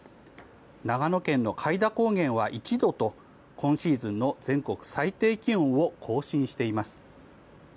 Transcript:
長野県の開田高原は１度と今シーズンの全国最低気温を更新しています。